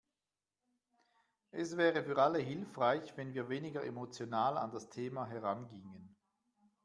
Es wäre für alle hilfreich, wenn wir weniger emotional an das Thema herangingen.